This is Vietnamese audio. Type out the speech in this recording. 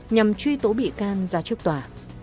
nhằm truy tố bị can ra trước tòa